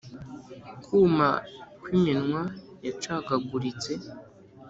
kuma nk'iminwa yacagaguritse